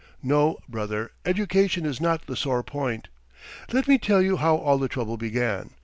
No, brother, education is not the sore point. Let me tell you how all the trouble began.